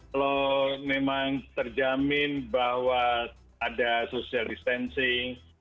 kalau memang terjamin bahwa ada social distancing